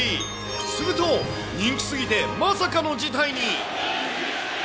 すると、人気過ぎてまさかの事態に。